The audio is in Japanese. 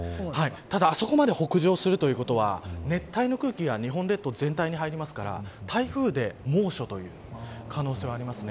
ただ、そこまで北上するということは熱帯の空気が日本列島全体に入りますから台風で、猛暑という可能性はあります。